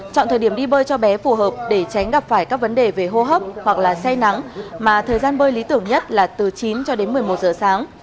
chọn thời điểm đi bơi cho bé phù hợp để tránh gặp phải các vấn đề về hô hấp hoặc là say nắng mà thời gian bơi lý tưởng nhất là từ chín cho đến một mươi một giờ sáng